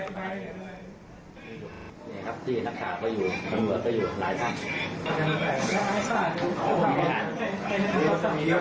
นี่ครับตรงนี้นักข่าก็อยู่